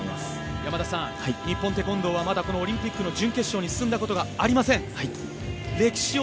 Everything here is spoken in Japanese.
山田さん日本テコンドーはまだオリンピックの準決勝に進んだことがありません。